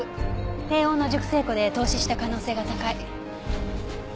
低温の熟成庫で凍死した可能性が高い。